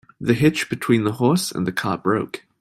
The hitch between the horse and cart broke.